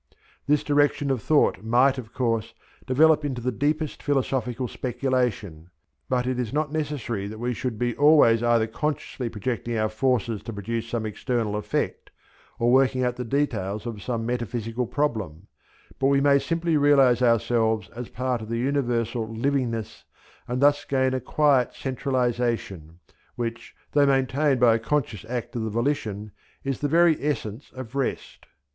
This direction of thought might, of course, develop into the deepest philosophical speculation, but it is not necessary that we should be always either consciously projecting our forces to produce some external effect or working out the details of some metaphysical problem; but we may simply realize ourselves as part of the universal livingness and thus gain a quiet centralization, which, though maintained by a conscious act of the volition, is the very essence of rest.